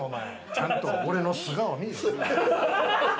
ちゃんと俺の素顔みい！